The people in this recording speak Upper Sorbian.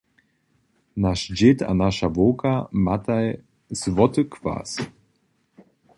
Naš dźěd a naša wowka mataj złoty kwas.